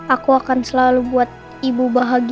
aku akan selalu buat ibu bahagia